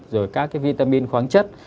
rồi các cái vitamin khoáng chất